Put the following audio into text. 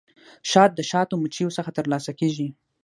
شات د شاتو مچیو څخه ترلاسه کیږي